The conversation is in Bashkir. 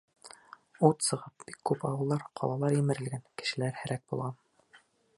Ут сы-ғып, бик күп ауылдар, ҡалалар емерелгән, кешеләр һәләк булған.